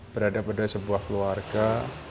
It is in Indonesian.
berada pada sebuah keluarga